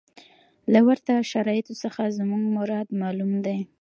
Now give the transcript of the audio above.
له ورته شرایطو څخه زموږ مراد معلوم دی.